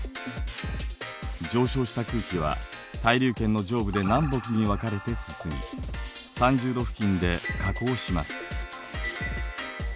上昇した空気は対流圏の上部で南北に分かれて進み３０度付近で下降します。